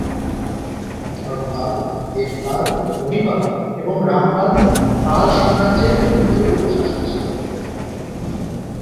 ধর্মপাল, দেবপাল, মহীপাল এবং রামপাল পাল সাম্রাজ্যের গুরুত্বপূর্ণ শাসক ছিলেন।